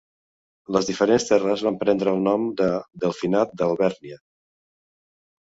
Les diferents terres van prendre el nom de Delfinat d'Alvèrnia.